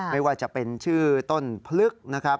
ไม่ว่าจะเป็นชื่อต้นพลึกนะครับ